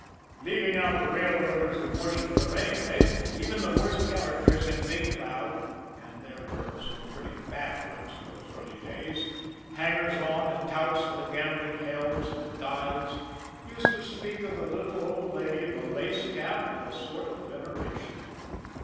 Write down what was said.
Leaving out the railroaders who worshipped her anyway, even the worst characters in Big Cloud, and there were some pretty bad ones in those early days, hangers on and touts for the gambling hells and dives, used to speak of the little old lady in the lace cap with a sort of veneration.